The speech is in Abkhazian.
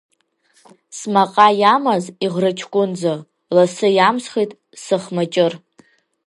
Смаҟа иамаз иӷраҷкәынӡа, лассы иамсхит сыхмаҷыр.